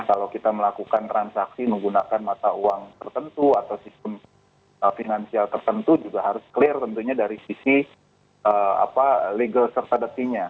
kalau kita melakukan transaksi menggunakan mata uang tertentu atau sistem finansial tertentu juga harus clear tentunya dari sisi legal serta